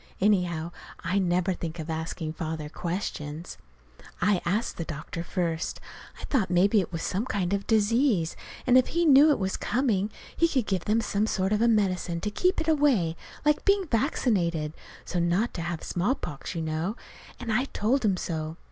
Anyhow, I never think of asking Father questions. I asked the doctor first. I thought maybe 't was some kind of a disease, and if he knew it was coming, he could give them some sort of a medicine to keep it away like being vaccinated so's not to have smallpox, you know. And I told him so.